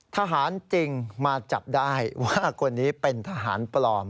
ทหารจริงมาจับได้ว่าคนนี้เป็นทหารปลอม